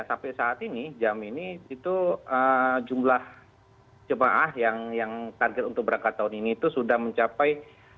sampai saat ini jam ini itu jumlah jemaah yang target untuk berangkat tahun ini itu sudah mencapai